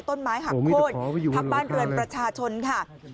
ต้นไม้หักโค้นทับบ้านเรือนประชาชนค่ะ